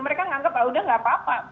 mereka menganggap ah udah gak apa apa